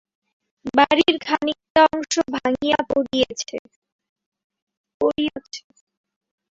বাড়ির খানিকটা অংশ ভাঙিয়া পড়িয়ছে।